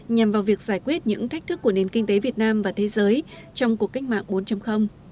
nhằm vào việc giải quyết những thách thức của nền kinh tế việt nam và thế giới trong cuộc cách mạng bốn